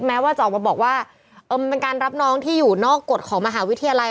แม้ว่าจะออกมาบอกว่ามันเป็นการรับน้องที่อยู่นอกกฎของมหาวิทยาลัย